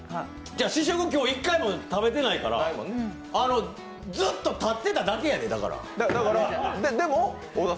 試食、今日１回も食べてないから、ずっと立ってただけやでただ。